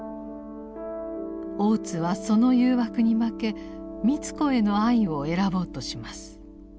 大津はその誘惑に負け美津子への愛を選ぼうとします。